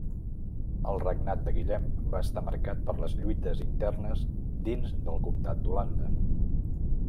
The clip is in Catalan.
El regnat de Guillem va estar marcat per les lluites internes dins del comtat d'Holanda.